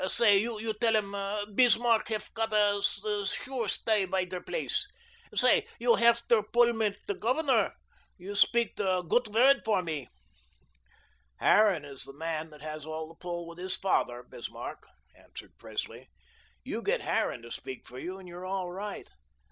Say, you tell 'um Bismarck hef gotta sure stay bei der place. Say, you hef der pull mit der Governor. You speak der gut word for me." "Harran is the man that has the pull with his father, Bismarck," answered Presley. "You get Harran to speak for you, and you're all right."